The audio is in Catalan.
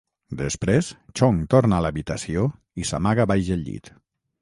Després, Chong torna a l'habitació i s'amaga baix el llit.